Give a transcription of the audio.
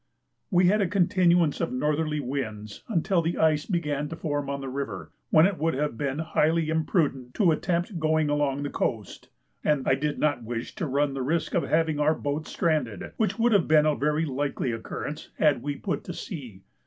We had a continuance of northerly winds until the ice began to form on the river, when it would have been highly imprudent to attempt going along the coast, and I did not wish to run the risk of having our boats stranded, which would have been a very likely occurrence had we put to sea.